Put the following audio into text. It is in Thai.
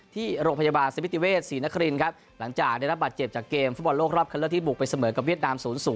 ที่โรงพยาบาลสมิติเวศศรีนครินครับหลังจากได้รับบาดเจ็บจากเกมฟุตบอลโลกรอบคันเลือกที่บุกไปเสมอกับเวียดนาม๐๐